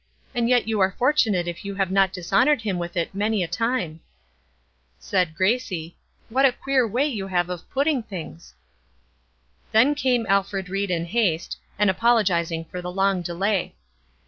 And yet you are fortunate if you have not dishonored Him with it many a time." Said Gracie, "What a queer way you have of putting things." Then came Alfred Ried in haste, and apologizing for the long delay.